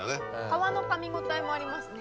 皮のかみ応えもありますね。